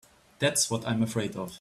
That's what I'm afraid of.